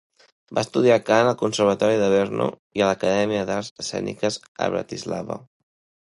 Va estudiar cant al Conservatori de Brno i a l'Acadèmia d'Arts escèniques a Bratislava.